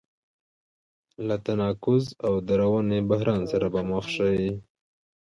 له تناقض او دروني بحران سره به مخ شي.